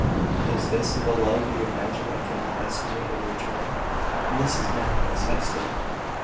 Is this the love you imagine I cannot estimate and return? This is madness, Hester.